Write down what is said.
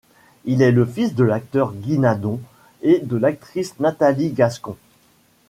Il est le fils de l'acteur Guy Nadon et de la l'actrice Nathalie Gascon.